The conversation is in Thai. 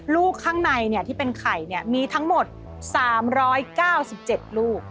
ลูกข้างในที่เป็นไข่มีทั้งหมด๓๙๗ลูก